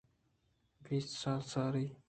بیست سال ساری